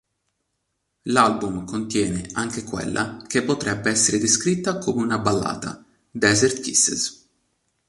L'album contiene anche quella che potrebbe essere descritta come una ballata, "Desert Kisses".